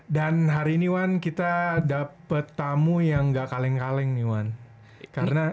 dan hari ini wan kita dapet tamu yang gak kaleng kaleng nih wan